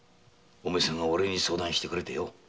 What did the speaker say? お前さんがおれに相談してくれてよ。